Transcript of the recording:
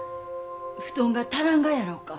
布団が足らんがやろうか？